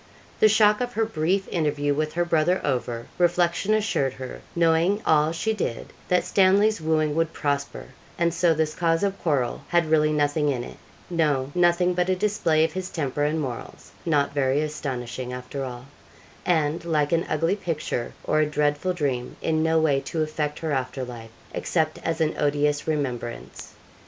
The shock of her brief interview with her brother over, reflection assured her, knowing all she did, that Stanley's wooing would prosper, and so this cause of quarrel had really nothing in it; no, nothing but a display of his temper and morals not very astonishing, after all and, like an ugly picture or a dreadful dream, in no way to affect her after life, except as an odious remembrance.